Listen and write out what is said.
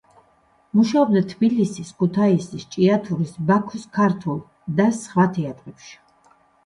მუშაობდა თბილისის, ქუთაისის, ჭიათურის, ბაქოს ქართულ და სხვა თეატრებში.